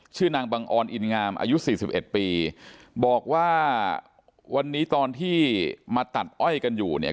ชื่อนางบังออนอินงามอายุสี่สิบเอ็ดปีบอกว่าวันนี้ตอนที่มาตัดอ้อยกันอยู่เนี่ย